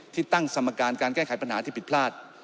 ที่ตั้งสมการการแก้ไขปัญหาที่ผิดพลาด